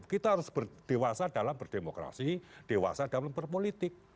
kita harus berdewasa dalam berdemokrasi dewasa dalam berpolitik